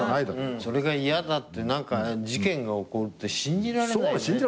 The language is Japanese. それが嫌だって事件が起こるって信じられないよね。